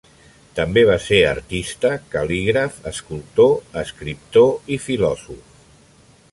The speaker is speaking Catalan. També va ser artista, cal·lígraf, escultor, escriptor i filòsof.